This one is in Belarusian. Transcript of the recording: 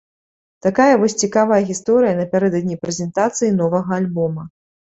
Такая вось цікавая гісторыя напярэдадні прэзентацыі новага альбома.